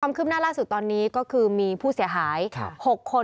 ขึ้นหน้าล่าสุดตอนนี้ก็คือมีผู้เสียหาย๖คน